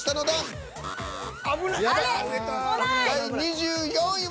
第２４位は。